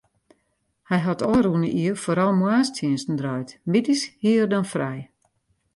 Hy hat ôfrûne jier foaral moarnstsjinsten draaid, middeis hie er dan frij.